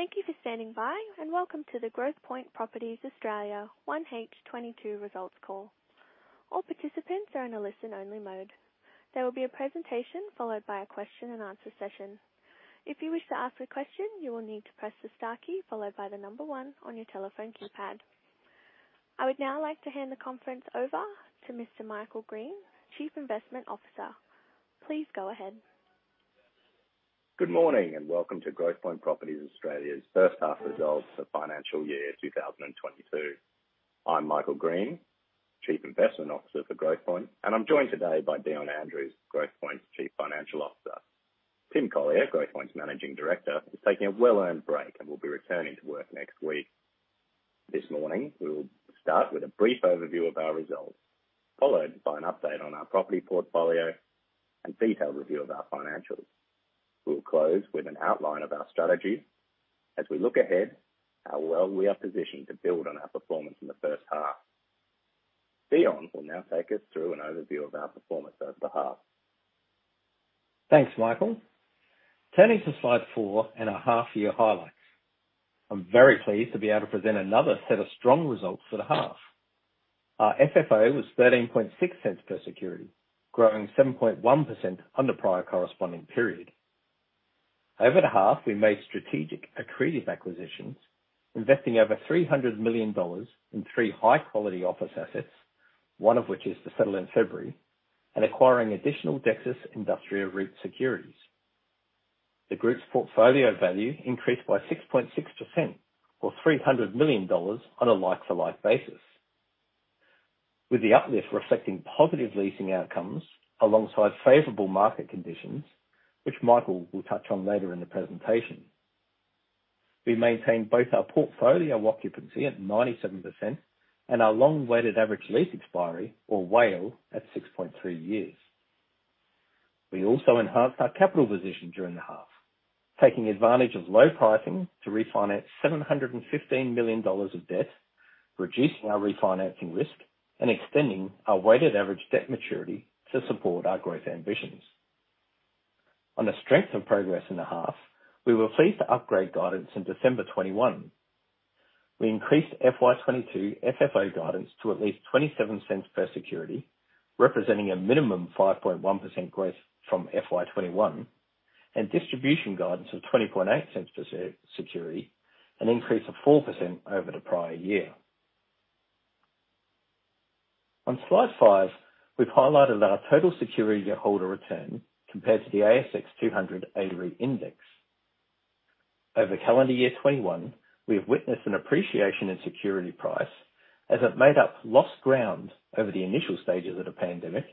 Thank you for standing by, and welcome to the Growthpoint Properties Australia 1H 2022 results call. All participants are in a listen-only mode. There will be a presentation followed by a question-and-answer session. If you wish to ask a question, you will need to press the star key followed by the number one on your telephone keypad. I would now like to hand the conference over to Mr. Michael Green, Chief Investment Officer. Please go ahead. Good morning, and welcome to Growthpoint Properties Australia's First Half results for financial year 2022. I'm Michael Green, Chief Investment Officer for Growthpoint, and I'm joined today by Dion Andrews, Growthpoint's Chief Financial Officer. Tim Collyer, Growthpoint's Managing Director, is taking a well-earned break and will be returning to work next week. This morning, we will start with a brief overview of our results, followed by an update on our property portfolio and detailed review of our financials. We'll close with an outline of our strategy as we look ahead to how well we are positioned to build on our performance in the first half. Dion will now take us through an overview of our performance over the half. Thanks, Michael. Turning to slide four, half-year highlights. I'm very pleased to be able to present another set of strong results for the half. Our FFO was 0.136 per security, growing 7.1% over prior corresponding period. Over the half, we made strategic accretive acquisitions, investing over 300 million dollars in three high-quality office assets, one of which is to settle in February, and acquiring additional Dexus Industria REIT securities. The group's portfolio value increased by 6.6% or 300 million dollars on a like-for-like basis. With the uplift reflecting positive leasing outcomes alongside favourable market conditions, which Michael will touch on later in the presentation. We maintained both our portfolio occupancy at 97% and our long Weighted Average Lease Expiry or WALE at 6.3 years. We also enhanced our capital position during the half, taking advantage of low pricing to refinance 715 million dollars of debt, reducing our refinancing risk and extending our weighted average debt maturity to support our growth ambitions. On the strength of progress in the half, we were pleased to upgrade guidance in December 2021. We increased FY 2022 FFO guidance to at least 0.27 per security, representing a minimum 5.1% growth from FY 2021, and distribution guidance of 0.208 per security, an increase of 4% over the prior year. On slide five, we've highlighted our total security holder return compared to the S&P/ASX 200 A-REIT Index. Over calendar year 2021, we have witnessed an appreciation in security price as it made up lost ground over the initial stages of the pandemic,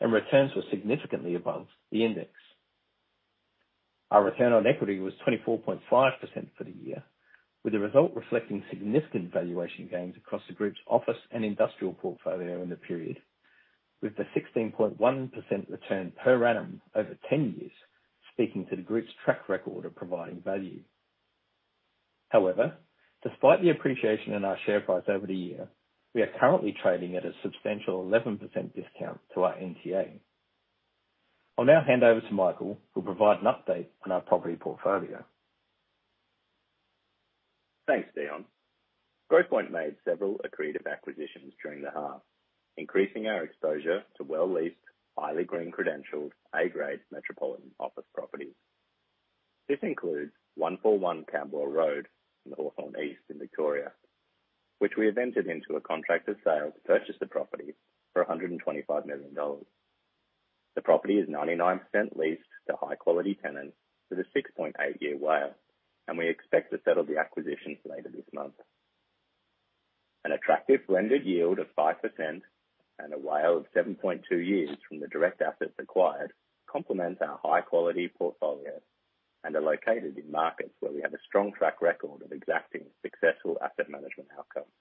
and returns were significantly above the index. Our return on equity was 24.5% for the year, with the result reflecting significant valuation gains across the group's office and industrial portfolio in the period, with the 16.1% return per annum over 10 years speaking to the group's track record of providing value. However, despite the appreciation in our share price over the year, we are currently trading at a substantial 11% discount to our NTA. I'll now hand over to Michael, who will provide an update on our property portfolio. Thanks, Dion. Growthpoint made several accretive acquisitions during the half, increasing our exposure to well-leased, highly green-credentialed A-grade metropolitan office properties. This includes 141 Camberwell Road in Hawthorn East in Victoria, which we have entered into a contract of sale to purchase the property for 125 million dollars. The property is 99% leased to high-quality tenants with a 6.8-year WALE, and we expect to settle the acquisition later this month. An attractive blended yield of 5% and a WALE of 7.2 years from the direct assets acquired complement our high-quality portfolio and are located in markets where we have a strong track record of exacting successful asset management outcomes.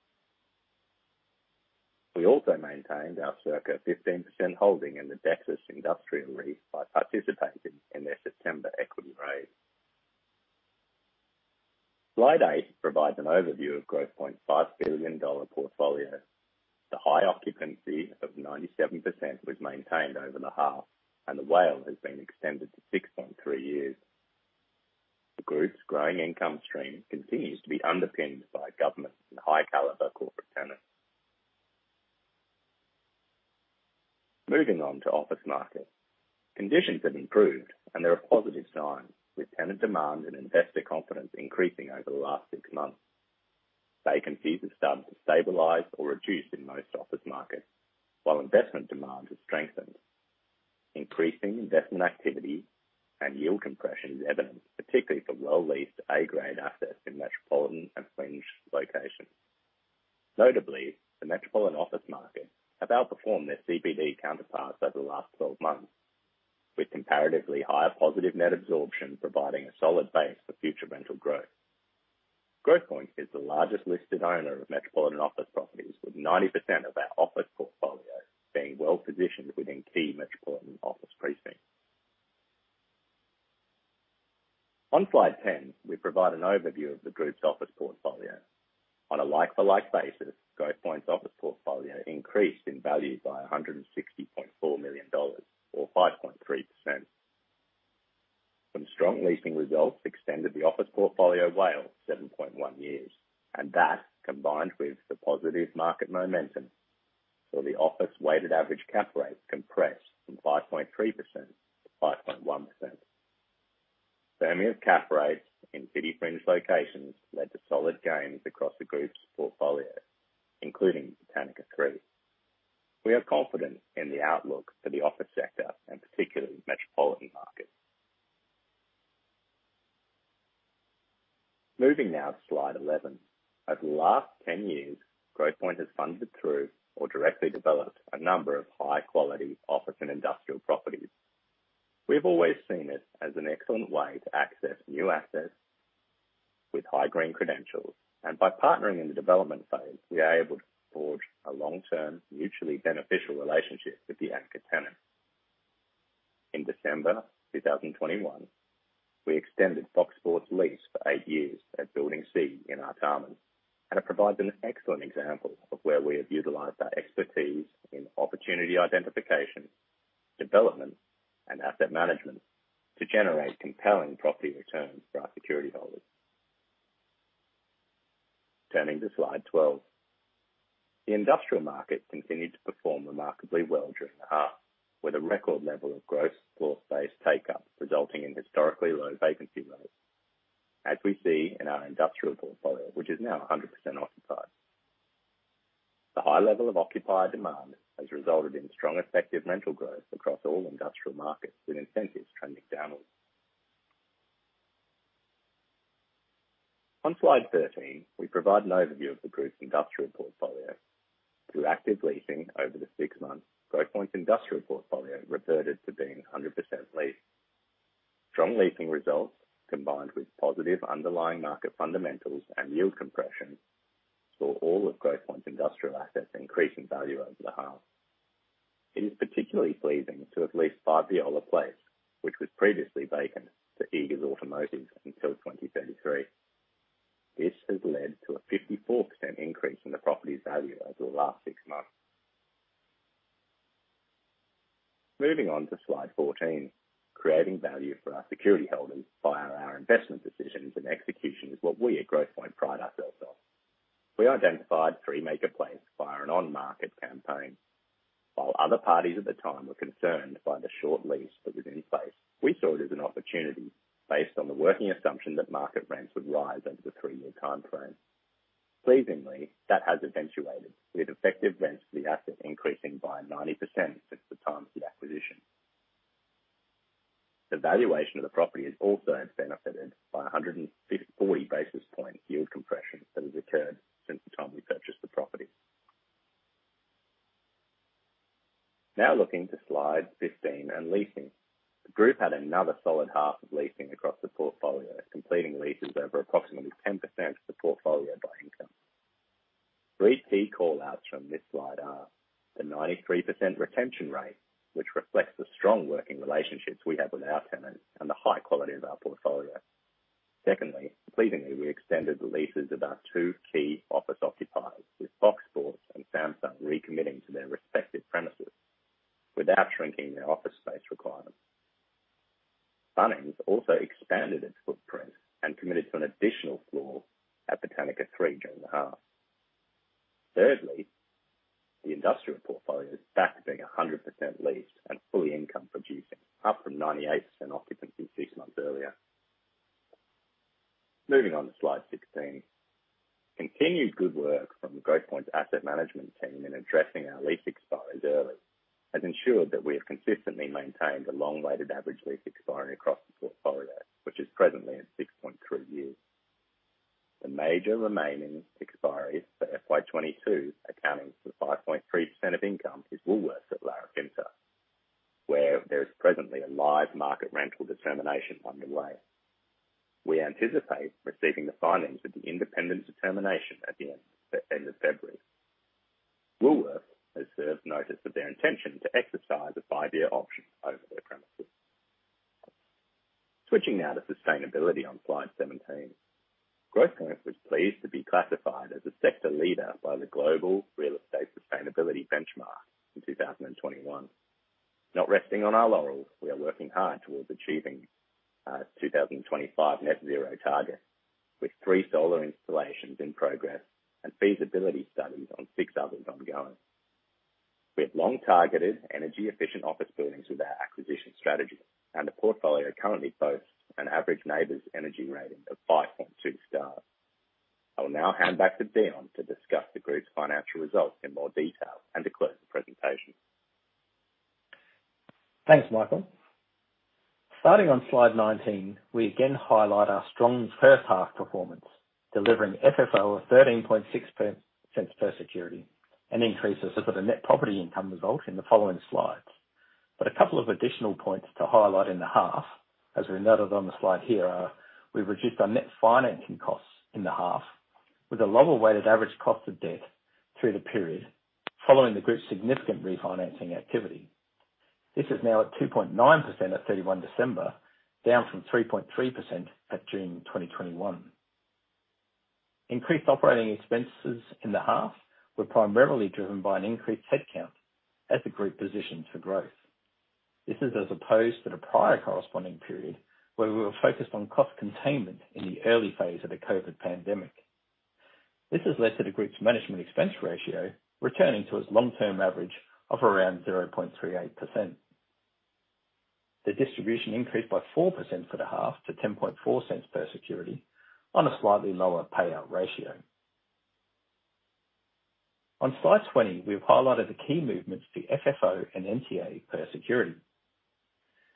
We also maintained our circa 15% holding in the Dexus Industria REIT by participating in their September equity raise. Slide eight provides an overview of Growthpoint's 5 billion dollar portfolio. The high occupancy of 97% was maintained over the half, and the WALE has been extended to 6.3 years. The group's growing income stream continues to be underpinned by government and high caliber corporate tenants. Moving on to office markets. Conditions have improved and there are positive signs, with tenant demand and investor confidence increasing over the last six months. Vacancies have started to stabilize or reduce in most office markets, while investment demand has strengthened. Increasing investment activity and yield compression is evident, particularly for well leased A grade assets in metropolitan and fringe locations. Notably, the metropolitan office market have outperformed their CBD counterparts over the last 12 months, with comparatively higher positive net absorption providing a solid base for future rental growth. Growthpoint is the largest listed owner of metropolitan office properties, with 90% of our office portfolio being well positioned within key metropolitan office precincts. On slide 10, we provide an overview of the group's office portfolio. On a like-for-like basis, Growthpoint's office portfolio increased in value by 160.4 million dollars or 5.3%. Some strong leasing results extended the office portfolio WALE 7.1 years, and that, combined with the positive market momentum, saw the office weighted average cap rate compress from 5.3% to 5.1%. Firming of cap rates in city fringe locations led to solid gains across the group's portfolio, including Botanicca 3. We are confident in the outlook for the office sector and particularly metropolitan markets. Moving now to slide 11. Over the last 10 years, Growthpoint has funded through or directly developed a number of high quality office and industrial properties. We've always seen it as an excellent way to access new assets with high green credentials, and by partnering in the development phase, we are able to forge a long-term, mutually beneficial relationship with the anchor tenant. In December 2021, we extended FOX Sports lease for eight years at Building C in Artarmon, and it provides an excellent example of where we have utilized our expertise in opportunity identification, development, and asset management to generate compelling property returns for our security holders. Turning to slide 12. The industrial market continued to perform remarkably well during the half, with a record level of gross floor space take-up resulting in historically low vacancy rates, as we see in our industrial portfolio, which is now 100% occupied. The high level of occupied demand has resulted in strong effective rental growth across all industrial markets, with incentives trending downwards. On slide 13, we provide an overview of the group's industrial portfolio. Through active leasing over the six months, Growthpoint's industrial portfolio reverted to being 100% leased. Strong leasing results combined with positive underlying market fundamentals and yield compression, saw all of Growthpoint's industrial assets increase in value over the half. It is particularly pleasing to have leased 5 Viola Place, which was previously vacant to Eagers Automotive until 2033. This has led to a 54% increase in the property's value over the last six months. Moving on to slide 14. Creating value for our security holders via our investment decisions and execution is what we at Growthpoint pride ourselves on. We identified 3 Maker Place via an on-market campaign. While other parties at the time were concerned by the short lease for the lease space, we saw it as an opportunity based on the working assumption that market rents would rise over the three-year timeframe. Pleasingly, that has eventuated, with effective rents for the asset increasing by 90% since the time of the acquisition. The valuation of the property has also benefited by a 140 basis points yield compression that has occurred since the time we purchased the property. Now looking to slide 15 on leasing. The group had another solid half of leasing across the portfolio, completing leases over approximately 10% of the portfolio by income. Three key callouts from this slide are the 93% retention rate, which reflects the strong working relationships we have with our tenants and the high quality of our portfolio. Secondly, pleasingly, we extended the leases of our two key office occupiers with FOX Sports and Samsung recommitting to their respective premises without shrinking their office space requirements. Bunnings also expanded its footprint and committed to an additional floor at Botanicca 3 during the half. Thirdly, the industrial portfolio is back to being 100% leased and fully income producing, up from 98% occupancy six months earlier. Moving on to slide 16. Continued good work from Growthpoint's asset management team in addressing our lease expiries early has ensured that we have consistently maintained a long Weighted Average Lease Expiry across the portfolio, which is presently at 6.3 years. The major remaining expiry for FY 2022, accounting for 5.3% of income, is Woolworths at Larapinta, where there is presently a live market rental determination underway. We anticipate receiving the findings of the independent determination at the end of February. Woolworths has served notice of their intention to exercise a five-year option over their premises. Switching now to sustainability on slide 17. Growthpoint was pleased to be classified as a sector leader by the Global Real Estate Sustainability Benchmark in 2021. Not resting on our laurels, we are working hard towards achieving our 2025 net zero target, with three solar installations in progress and feasibility studies on six others ongoing. We have long targeted energy efficient office buildings with our acquisition strategy, and the portfolio currently boasts an average NABERS energy rating of 5.2 stars. I will now hand back to Dion to discuss the group's financial results in more detail and to close the presentation. Thanks, Michael. Starting on slide 19, we again highlight our strong first half performance, delivering FFO of 13.6 cents per security, an increase on the net property income result in the following slides. A couple of additional points to highlight in the half, as we noted on the slide, we've reduced our net financing costs in the half with a lower Weighted Average Cost of Debt through the period following the group's significant refinancing activity. This is now at 2.9% at 31 December, down from 3.3% at June 2021. Increased operating expenses in the half were primarily driven by an increased head count as the group positions for growth. This is as opposed to the prior corresponding period where we were focused on cost containment in the early phase of the COVID pandemic. This has led to the group's management expense ratio returning to its long-term average of around 0.38%. The distribution increased by 4% for the half to 0.104 per security on a slightly lower payout ratio. On slide 20, we've highlighted the key movements to FFO and NTA per security.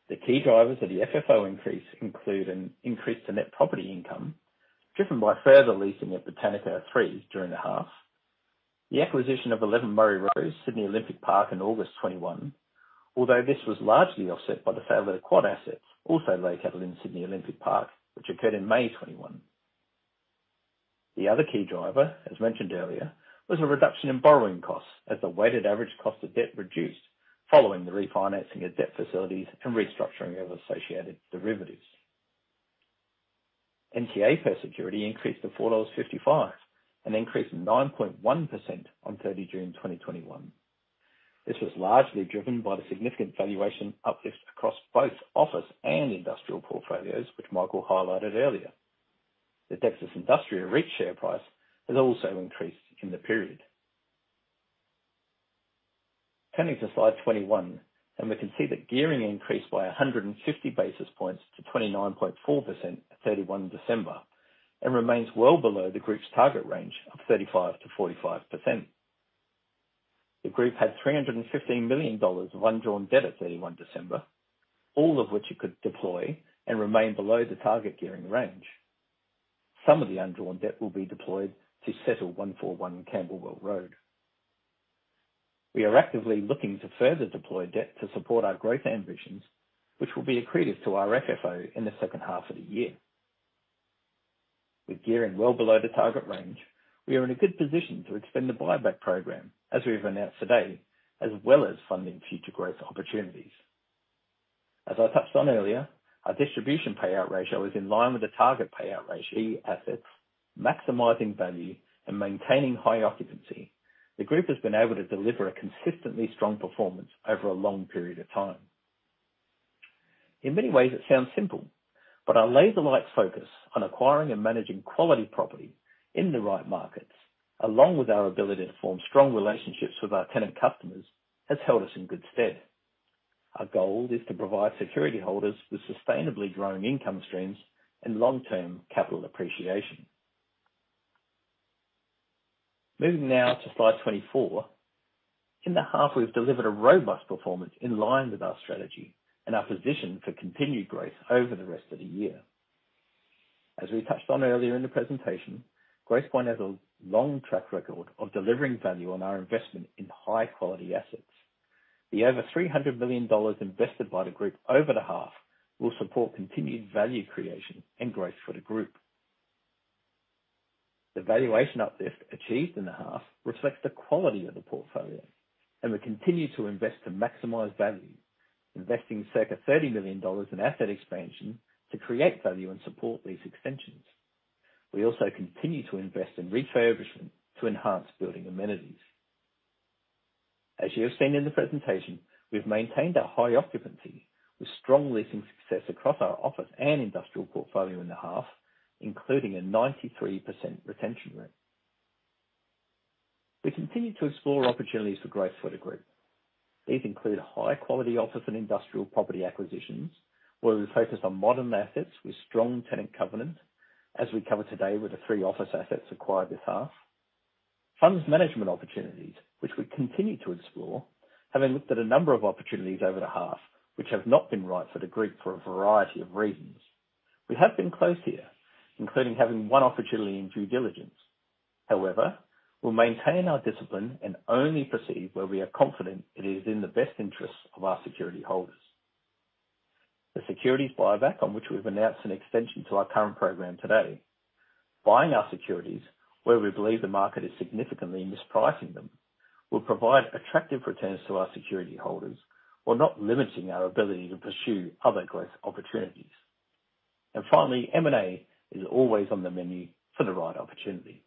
The key drivers of the FFO increase include an increase to net property income, driven by further leasing of Botanicca 3 during the half. The acquisition of Eleven Murray Road, Sydney Olympic Park in August 2021, although this was largely offset by the sale of the Quad assets, also located in Sydney Olympic Park, which occurred in May 2021. The other key driver, as mentioned earlier, was a reduction in borrowing costs as the Weighted Average Cost of Debt reduced following the refinancing of debt facilities and restructuring of associated derivatives. NTA per security increased to 4.55 dollars, an increase of 9.1% on 30 June 2021. This was largely driven by the significant valuation uplift across both office and industrial portfolios, which Michael highlighted earlier. The Dexus Industria REIT share price has also increased in the period. Turning to slide 21, we can see that gearing increased by 150 basis points to 29.4% at 31 December, and remains well below the group's target range of 35%-45%. The group had 315 million dollars of undrawn debt at 31 December, all of which it could deploy and remain below the target gearing range. Some of the undrawn debt will be deployed to settle 141 Camberwell Road. We are actively looking to further deploy debt to support our growth ambitions, which will be accretive to our FFO in the second half of the year. With gearing well below the target range, we are in a good position to extend the buyback program as we've announced today, as well as funding future growth opportunities. As I touched on earlier, our distribution payout ratio is in line with the target payout ratio, assets maximizing value and maintaining high occupancy. The group has been able to deliver a consistently strong performance over a long period of time. In many ways it sounds simple, but our laser-like focus on acquiring and managing quality property in the right markets, along with our ability to form strong relationships with our tenant customers, has held us in good stead. Our goal is to provide security holders with sustainably growing income streams and long-term capital appreciation. Moving now to slide 24. In the half, we've delivered a robust performance in line with our strategy and our position for continued growth over the rest of the year. As we touched on earlier in the presentation, Growthpoint has a long track record of delivering value on our investment in high quality assets. The over 300 million dollars invested by the group over the half will support continued value creation and growth for the group. The valuation uplift achieved in the half reflects the quality of the portfolio, and we continue to invest to maximize value, investing circa 30 million dollars in asset expansion to create value and support lease extensions. We also continue to invest in refurbishment to enhance building amenities. As you have seen in the presentation, we've maintained our high occupancy with strong leasing success across our office and industrial portfolio in the half, including a 93% retention rate. We continue to explore opportunities for growth for the group. These include high quality office and industrial property acquisitions, where we focus on modern assets with strong tenant covenant, as we covered today with the three office assets acquired this half. Funds management opportunities, which we continue to explore, having looked at a number of opportunities over the half, which have not been right for the group for a variety of reasons. We have been close here, including having one opportunity in due diligence. However, we'll maintain our discipline and only proceed where we are confident it is in the best interests of our security holders. The securities buyback, on which we've announced an extension to our current program today. Buying our securities where we believe the market is significantly mispricing them, will provide attractive returns to our security holders while not limiting our ability to pursue other growth opportunities. Finally, M&A is always on the menu for the right opportunity.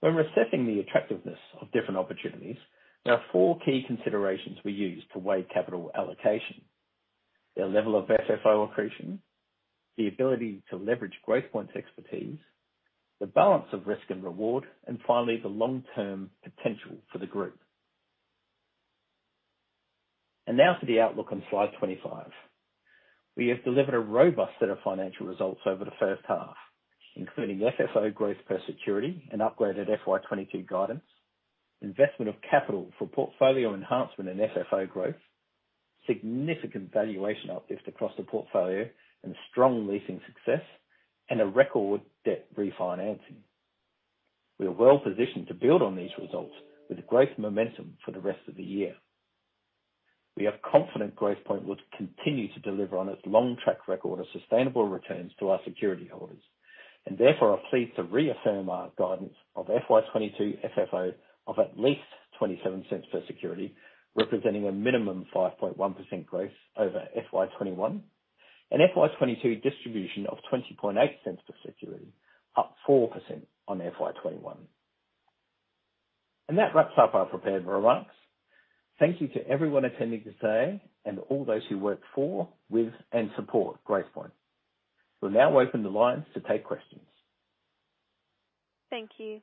When we're assessing the attractiveness of different opportunities, there are four key considerations we use to weigh capital allocation. The level of FFO accretion, the ability to leverage Growthpoint's expertise, the balance of risk and reward, and finally, the long-term potential for the group. Now for the outlook on slide 25. We have delivered a robust set of financial results over the first half, including FFO growth per security, an upgraded FY 2022 guidance, investment of capital for portfolio enhancement and FFO growth, significant valuation uplift across theportfolio and strong leasing success, and a record debt refinancing. We are well positioned to build on these results with growth momentum for the rest of the year. We are confident Growthpoint will continue to deliver on its long track record of sustainable returns to our security holders. Therefore, we are pleased to reaffirm our guidance of FY 2022 FFO of at least 0.27 per security, representing a minimum 5.1% growth over FY 2021. FY 2022 distribution of 0.208 per security, up 4% on FY 2021. That wraps up our prepared remarks. Thank you to everyone attending today and all those who work for, with, and support Growthpoint. We'll now open the lines to take questions. Thank you.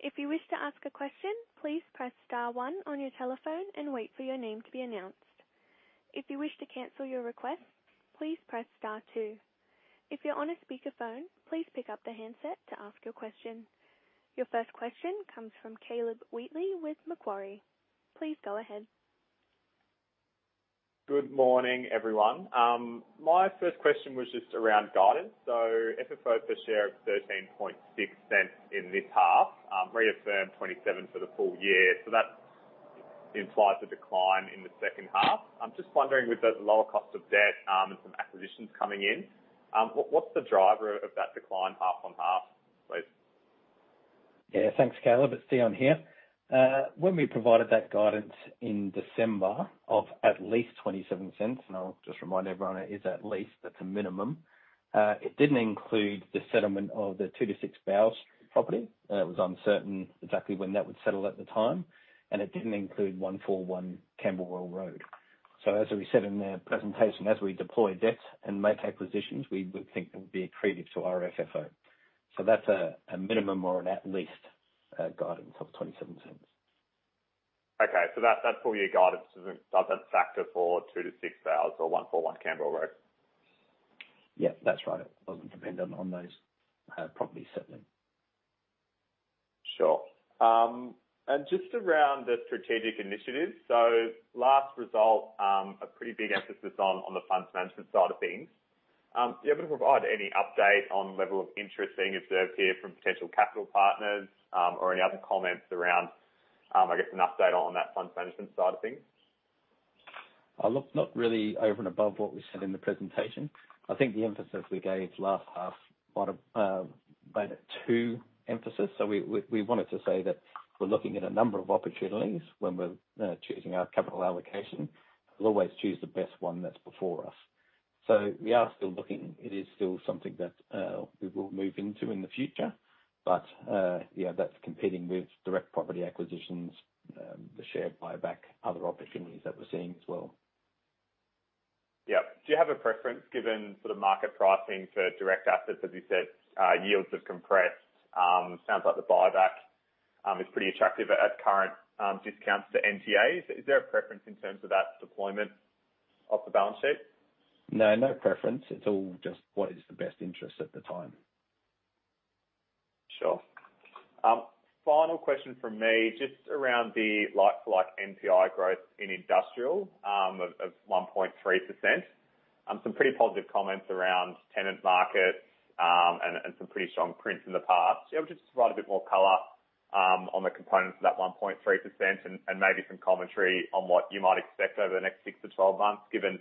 If you wish to ask a question, please press star one on your telephone and wait for your name to be announced. If you wish to cancel your request, please press star two. If you're on a speakerphone, please pick up the handset to ask your question. Your first question comes from Caleb Wheatley with Macquarie. Please go ahead. Good morning, everyone. My first question was just around guidance. FFO per share of 0.136 in this half, reaffirmed 0.27 for the full year. That implies a decline in the second half. I'm just wondering, with the lower cost of debt, and some acquisitions coming in, what's the driver of that decline half on half, please? Yeah. Thanks, Caleb. It's Dion here. When we provided that guidance in December of at least 0.27, and I'll just remind everyone, it is at least, that's a minimum, it didn't include the settlement of the 2-6 Bowes Street property, and it was uncertain exactly when that would settle at the time. It didn't include 141 Camberwell Road. As we said in the presentation, as we deploy debt and make acquisitions, we would think it would be accretive to our FFO. That's a minimum or an at least guidance of 0.27. Okay. That full year guidance does that factor for 2-6 Bowes Street or 141 Camberwell Road? Yeah, that's right. It doesn't depend on those properties settling. Sure. Just around the strategic initiatives. Last result, a pretty big emphasis on the funds management side of things. Are you able to provide any update on level of interest being observed here from potential capital partners, or any other comments around, I guess an update on that fund management side of things? Look, not really over and above what we said in the presentation. I think the emphasis we gave last half might have made it too emphatic. We wanted to say that we're looking at a number of opportunities when we're choosing our capital allocation. We'll always choose the best one that's before us. We are still looking. It is still something that we will move into in the future. Yeah, that's competing with direct property acquisitions, the share buyback, other opportunities that we're seeing as well. Yeah. Do you have a preference given sort of market pricing for direct assets? As you said, yields have compressed. Sounds like the buyback is pretty attractive at current discounts to NTAs. Is there a preference in terms of that deployment off the balance sheet? No, no preference. It's all just what is the best interest at the time. Sure. Final question from me, just around the like-for-like NPI growth in industrial, of 1.3%. Some pretty positive comments around tenant markets, and some pretty strong prints in the past. Are you able to just provide a bit more color, on the components of that 1.3% and maybe some commentary on what you might expect over the next six to twelve months, given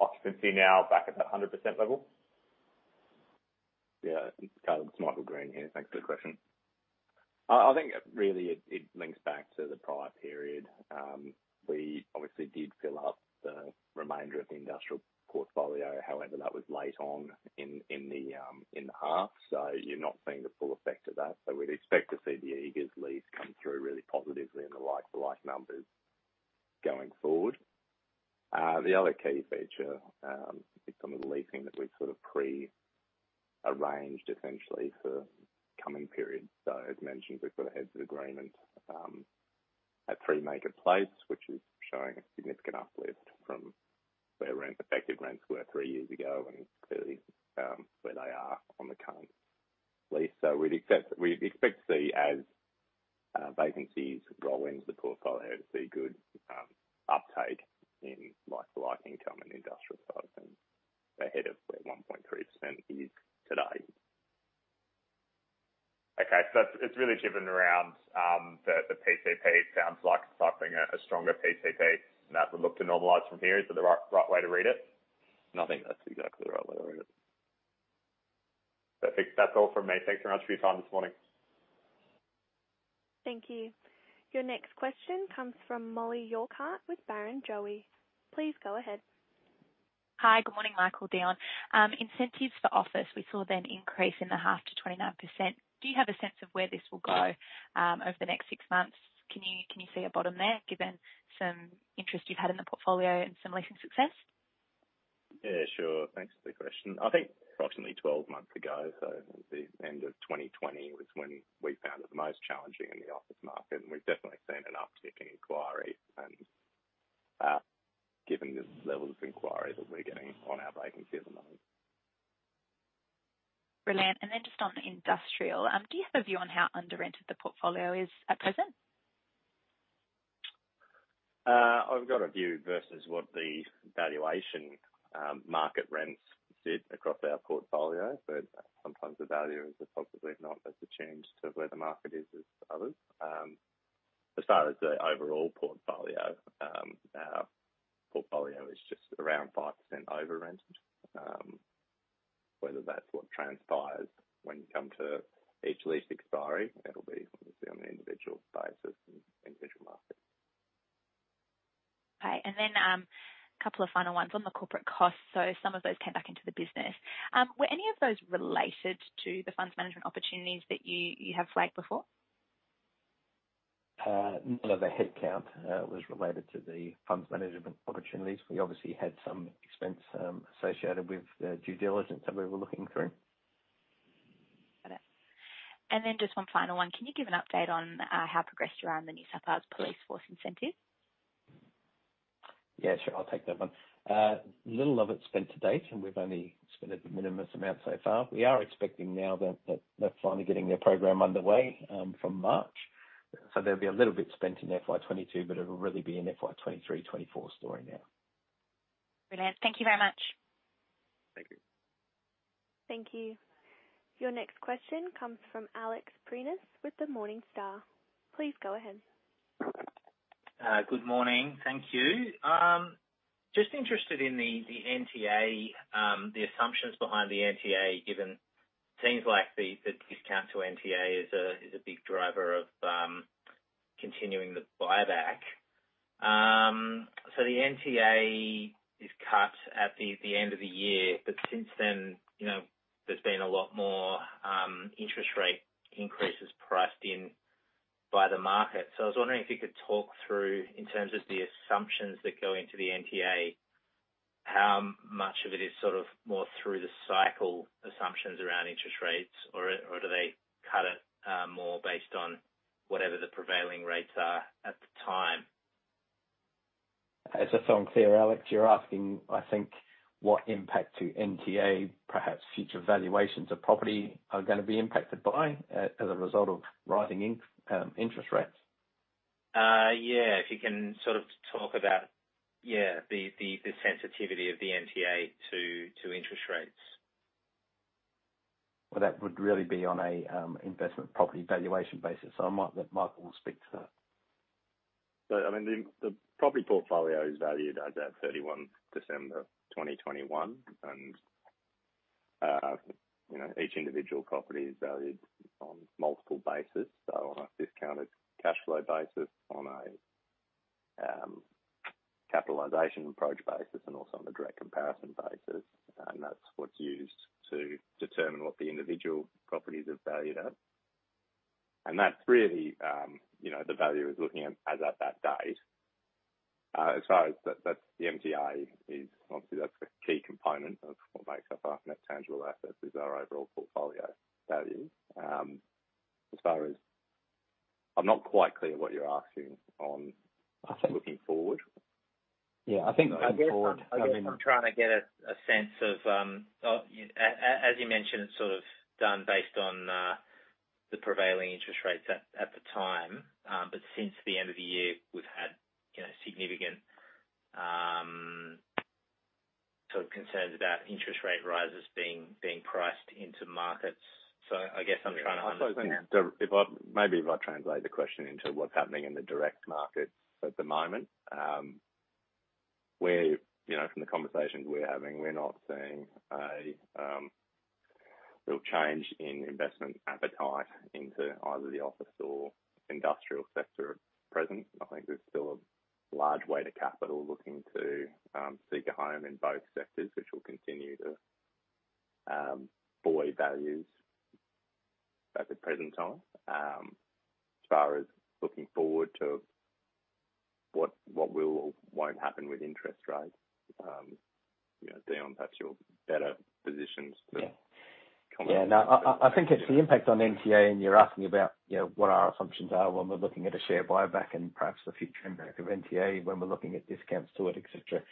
occupancy now back at that 100% level? Yeah. Caleb, it's Michael Green here. Thanks for the question. I think really it links back to the prior period. We obviously did fill up the remainder of the industrial portfolio, however, that was late on in the half. You're not seeing the full effect of that. We'd expect to see the Eagers lease come through really positively in the like-for-like numbers going forward. The other key feature is some of the leasing that we've sort of pre-arranged essentially for coming periods. As mentioned, we've got a heads of agreement at Three Maker Place, which is showing a significant uplift from where effective rents were three years ago and clearly where they are on the current lease. We'd expect to see as vacancies roll into the portfolio to see good uptake in like-for-like income and industrial side of things ahead of where 1.3% is today. It's really driven around the PCP. It sounds like it's offering a stronger PCP and that would look to normalize from here. Is that the right way to read it? No, I think that's exactly the right way to read it. Perfect. That's all from me. Thanks so much for your time this morning. Thank you. Your next question comes from Mollie Urquhart with Barrenjoey. Please go ahead. Hi. Good morning, Michael, Dion. Incentives for office, we saw them increase in the half to 29%. Do you have a sense of where this will go over the next six months? Can you see a bottom there given some interest you've had in the portfolio and some leasing success? Yeah, sure. Thanks for the question. I think approximately 12 months ago, so the end of 2020 was when we found it the most challenging in the office market. We've definitely seen an uptick in inquiries and, given the levels of inquiries that we're getting on our vacancies at the moment. Brilliant. Just on industrial, do you have a view on how under-rented the portfolio is at present? I've got a view versus what the valuation, market rents sit across our portfolio, but sometimes the value is possibly not as attuned to where the market is as others. As far as the overall portfolio, our portfolio is just around 5% over-rented. Whether that's what transpires when you come to each lease expiry, it'll be obviously on an individual basis and individual market. Okay. A couple of final ones. On the corporate costs, so some of those came back into the business. Were any of those related to the funds management opportunities that you have flagged before? None of the headcount was related to the funds management opportunities. We obviously had some expense associated with the due diligence that we were looking through. Got it. Just one final one. Can you give an update on how progressed you are on the New South Wales Police Force incentive? Yeah, sure. I'll take that one. Little of it's spent to date, and we've only spent a de minimis amount so far. We are expecting now that they're finally getting their program underway, from March. There'll be a little bit spent in FY 2022, but it'll really be an FY 2023/2024 story now. Brilliant. Thank you very much. Thank you. Thank you. Your next question comes from Alex Prineas with Morningstar. Please go ahead. Good morning. Thank you. Just interested in the NTA, the assumptions behind the NTA, given things like the discount to NTA is a big driver of continuing the buyback. The NTA is cut at the end of the year, but since then, you know, there's been a lot more interest rate increases priced in by the market. I was wondering if you could talk through, in terms of the assumptions that go into the NTA, how much of it is sort of more through the cycle assumptions around interest rates or do they cut it more based on whatever the prevailing rates are at the time? If that's all clear, Alex, you're asking, I think, what impact to NTA, perhaps future valuations of property are gonna be impacted by as a result of rising interest rates. Yeah. If you can sort of talk about, yeah, the sensitivity of the NTA to interest rates. Well, that would really be on a investment property valuation basis. I might let Michael speak to that. I mean, the property portfolio is valued as at 31 December 2021. You know, each individual property is valued on multiple bases. On a discounted cash flow basis, on a capitalization approach basis, and also on a direct comparison basis. That's what's used to determine what the individual properties are valued at. That's really, you know, the value is looking at as at that date. As far as that's the NTA. That's obviously a key component of what makes up our Net Tangible Assets: our overall portfolio value. As far as, I'm not quite clear what you're asking on- I think. Looking forward. Yeah, I think looking forward. I guess I'm trying to get a sense of, as you mentioned, it's sort of done based on the prevailing interest rates at the time. Since the end of the year, we've had, you know, significant sort of concerns about interest rate rises being priced into markets. I guess I'm trying to understand. I suppose then, maybe if I translate the question into what's happening in the direct market at the moment. You know, from the conversations we're having, we're not seeing a real change in investment appetite into either the office or industrial sector at present. I think there's still a large weight of capital looking to seek a home in both sectors, which will continue to buoy values at the present time. As far as looking forward to what will or won't happen with interest rates, you know, Dion, perhaps you're better positioned to- Yeah. Comment on. Yeah, no, I think it's the impact on NTA, and you're asking about, you know, what our assumptions are when we're looking at a share buyback and perhaps the future impact of NTA when we're looking at discounts to it, et cetera.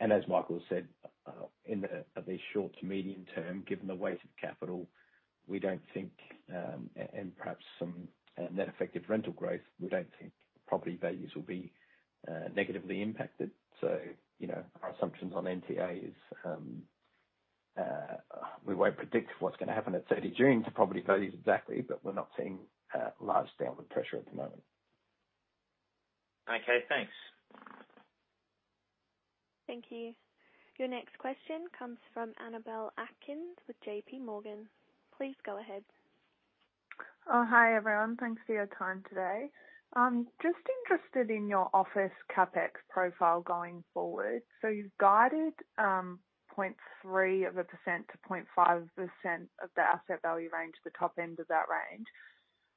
As Michael said, in the short-to-medium term, given the weight of capital, we don't think, and perhaps some net effective rental growth, we don't think property values will be negatively impacted. You know, our assumptions on NTA is, we won't predict what's gonna happen at 30 June to property values exactly, but we're not seeing large downward pressure at the moment. Okay, thanks. Thank you. Your next question comes from Annabelle Atkins with J.P. Morgan. Please go ahead. Oh, hi, everyone. Thanks for your time today. I'm just interested in your office CapEx profile going forward. You've guided 0.3%-0.5% of the asset value range, the top end of that range.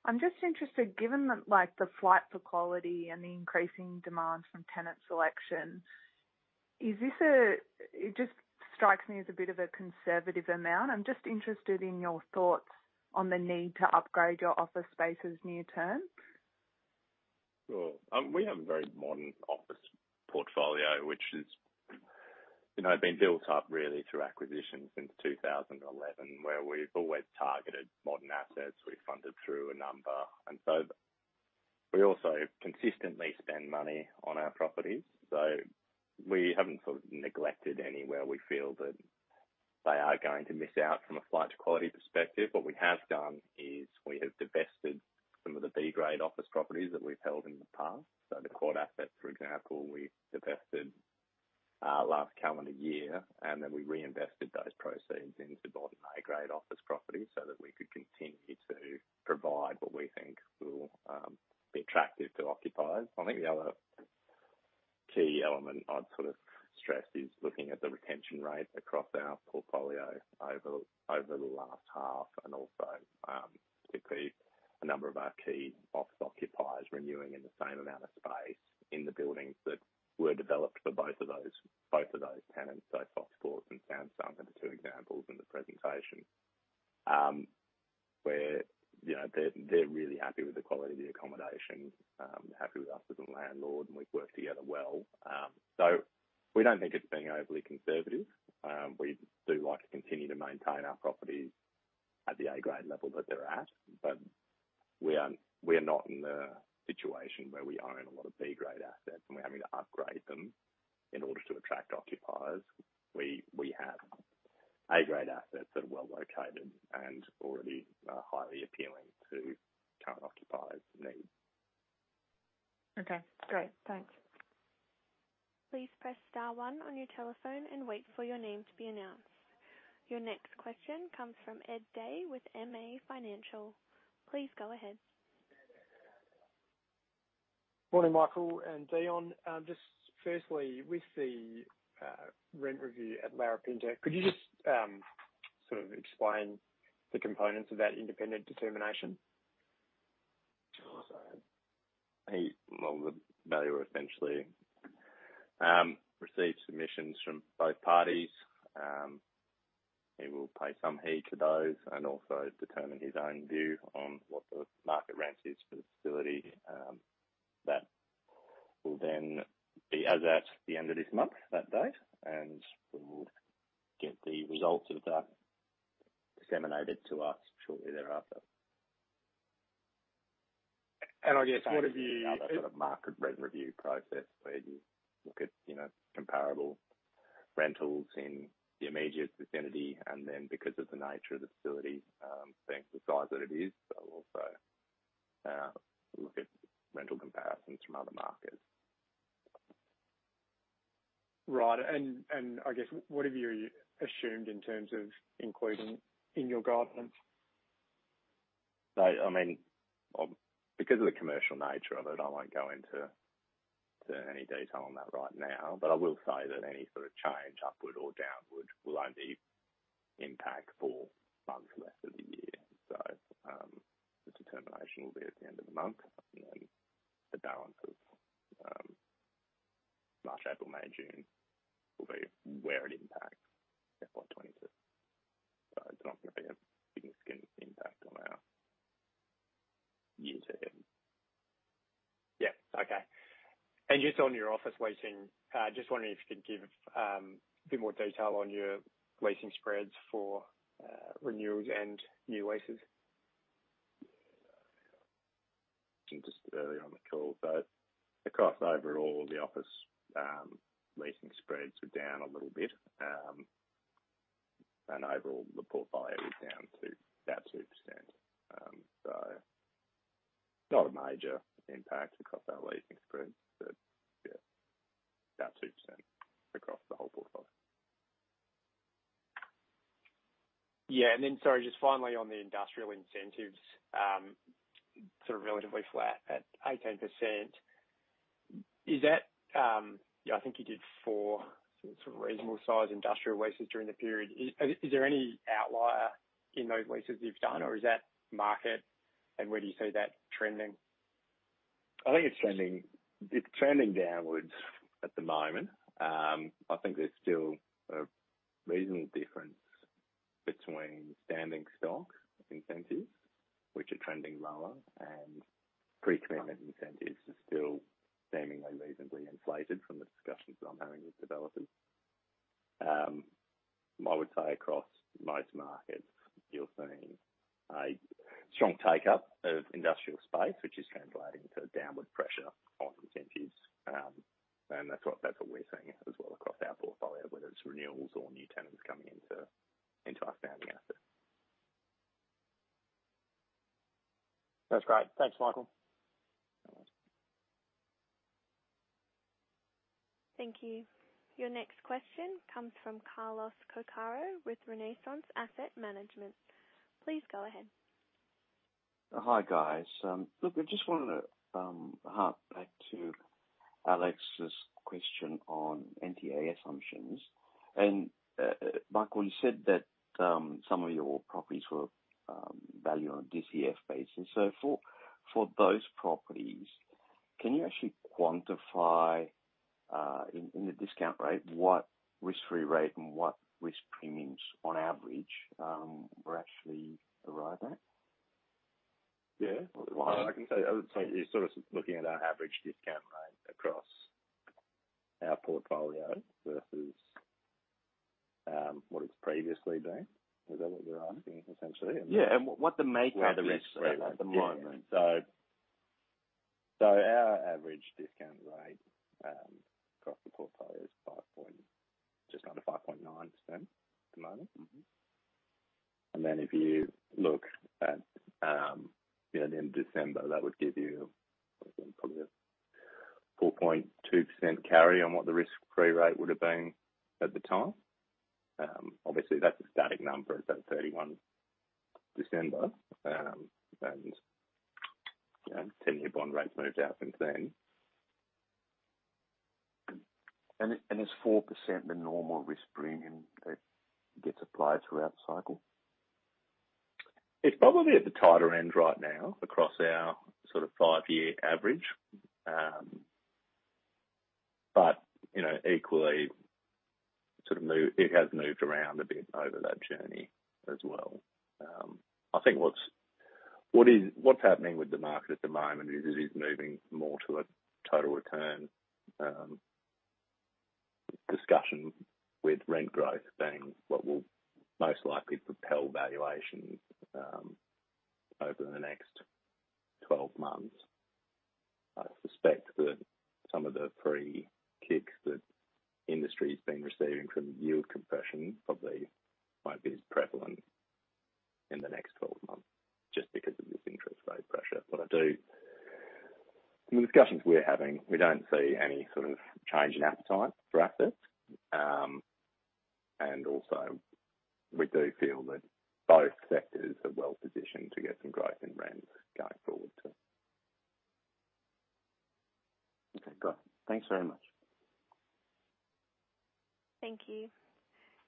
I'm just interested, given that like the flight for quality and the increasing demand from tenant selection, is this a bit of a conservative amount. I'm just interested in your thoughts on the need to upgrade your office spaces near term. Sure. We have a very modern office portfolio, which has, you know, been built up really through acquisition since 2011, where we've always targeted modern assets. We funded through a number. We also consistently spend money on our properties. We haven't sort of neglected anywhere we feel that they are going to miss out from a fit-out quality perspective. What we have done is we have divested some of the B-grade office properties that we've held in the past. The Quad assets, for example, we divested last calendar year, and then we reinvested those proceeds into buying A-grade office properties so that we could continue to provide what we think will be attractive to occupiers. I think the other key element I'd sort of stress is looking at the retention rate across our portfolio over the last half and also a number of our key office occupiers renewing in the same amount of space in the buildings that were developed for both of those tenants. FOX Sports and Samsung are the two examples in the presentation, where you know they're really happy with the quality of the accommodation, happy with us as a landlord, and we've worked together well. We don't think it's being overly conservative. We do like to continue to maintain our properties at the A-grade level that they're at. We are not in a situation where we own a lot of B-grade assets, and we're having to upgrade them in order to attract occupiers. We have A-grade assets that are well-located and already highly appealing to current occupiers' needs. Okay, great. Thanks. Your next question comes from Ed Day with MA Financial. Please go ahead. Morning, Michael and Dion. Just firstly, with the rent review at Larapinta, could you just sort of explain the components of that independent determination? I think, well, the valuer essentially receives submissions from both parties. He will pay some heed to those and also determine his own view on what the market rent is for the facility. That will then be as at the end of this month, that date, and we'll get the results of that disseminated to us shortly thereafter. I guess what have you. Another sort of market rent review process where you look at, you know, comparable rentals in the immediate vicinity, and then because of the nature of the facility, being the size that it is, so also, look at rental comparisons from other markets. Right. I guess what have you assumed in terms of including in your guidance? I mean, because of the commercial nature of it, I won't go into any detail on that right now. I will say that any sort of change, upward or downward, will only impact four months left of the year. This determination will be at the end of the month. Then the balance of March, April, May, June will be where it impacts FY 2022. It's not gonna be a significant impact on our year-to-date. Yeah. Okay. Just on your office leasing, just wondering if you could give a bit more detail on your leasing spreads for renewals and new leases. Just earlier on the call. Across overall, the office leasing spreads were down a little bit. Overall, the portfolio is down to about 2%. Not a major impact across our leasing spreads but yeah, about 2% across the whole portfolio. Yeah. Then, sorry, just finally on the industrial incentives, sort of relatively flat at 18%. Is that? Yeah, I think you did four sort of reasonable size industrial leases during the period. Is there any outlier in those leases you've done, or is that market and where do you see that trending? I think it's trending downwards at the moment. I think there's still a reasonable difference between standing stock incentives, which are trending lower, and pre-commitment incentives are still seemingly reasonably inflated from the discussions that I'm having with developers. I would say across most markets, you're seeing a strong take-up of industrial space, which is translating to downward pressure on incentives. That's what we're seeing as well across our portfolio, whether it's renewals or new tenants coming into our standing assets. That's great. Thanks, Michael. No worries. Thank you. Your next question comes from Carlos Cocaro with Renaissance Asset Management. Please go ahead. Hi, guys. Look, I just wanted to hark back to Alex's question on NTA assumptions. Michael, you said that some of your properties were valued on a DCF basis. For those properties, can you actually quantify in the discount rate, what risk-free rate and what risk premiums on average were actually arrived at? Yeah. Well, I can tell you, I would say you're sort of looking at our average discount rate across our portfolio versus, what it's previously been. Is that what you're asking, essentially? And then- Yeah. What the makeup is at the moment. Our average discount rate across the portfolio is just under 5.9% at the moment. Mm-hmm. If you look at, you know, in December, that would give you probably a 4.2% carry on what the risk-free rate would have been at the time. Obviously that's a static number at that 31 December. You know, 10-year bond rates moved out since then. Is 4% the normal risk premium that gets applied throughout the cycle? It's probably at the tighter end right now across our sort of five-year average. You know, equally, it has moved around a bit over that journey as well. I think what's happening with the market at the moment is, it is moving more to a total return discussion with rent growth being what will most likely propel valuations over the next 12 months. I suspect that some of the free kicks that industry's been receiving from yield compression probably won't be as prevalent in the next 12 months just because of this interest rate pressure. From the discussions we're having, we don't see any sort of change in appetite for assets. Also we do feel that both sectors are well positioned to get some growth in rents going forward, too. Okay, got it. Thanks very much. Thank you.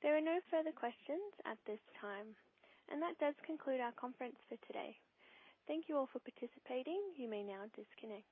There are no further questions at this time, and that does conclude our conference for today. Thank you all for participating. You may now disconnect.